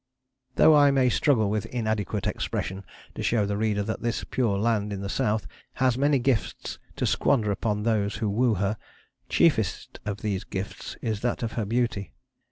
Though I may struggle with inadequate expression to show the reader that this pure Land of the South has many gifts to squander upon those who woo her, chiefest of these gifts is that of her beauty.